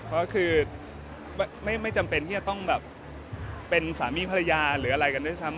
ก็คือไม่จำเป็นที่จะต้องแบบเป็นสามีภรรยาหรืออะไรกันด้วยซ้ำ